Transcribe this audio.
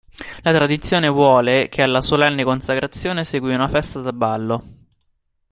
La tradizione vuole che alla solenne consacrazione seguì una festa da ballo.